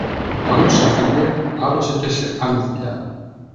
Άλλος έφυγε, άλλος έπιασε άλλη δουλειά.